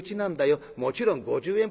もちろん五十円